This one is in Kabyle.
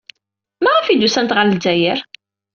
Maɣef ay d-usant ɣer Lezzayer?